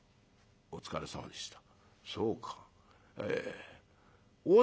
「お疲れさまでした。